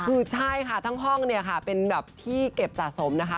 คือใช่ค่ะทั้งห้องเนี่ยค่ะเป็นแบบที่เก็บสะสมนะคะ